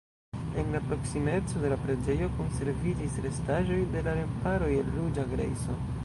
En la proksimeco de la preĝejo konserviĝis restaĵoj de remparoj el ruĝa grejso.